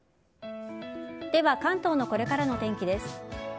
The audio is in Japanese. では、関東のこれからのお天気です。